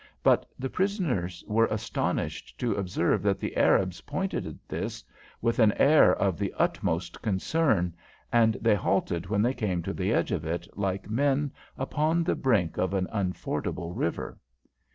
But the prisoners were astonished to observe that the Arabs pointed at this with an air of the utmost concern, and they halted when they came to the edge of it like men upon the brink of an unfordable river.